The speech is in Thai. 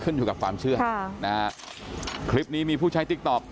ขึ้นอยู่กับความเชื่อนะครับคลิปนี้มีผู้ใช้ติ๊กตอบ